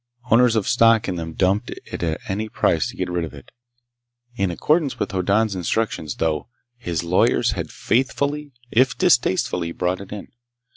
Owners of stock in them dumped it at any price to get rid of it. In accordance with Hoddan's instructions, though, his lawyers had faithfully if distastefully bought it in.